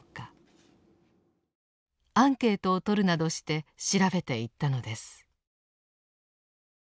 アンケートをとるなどして調べていったのです。